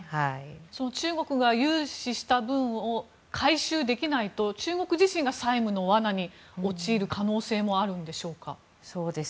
その中国が融資した分を回収できないと中国自身が債務の罠に陥る可能性もあるんでしょうか？